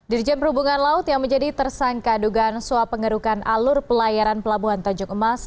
dirjen perhubungan laut yang menjadi tersangka dugaan suap pengerukan alur pelayaran pelabuhan tanjung emas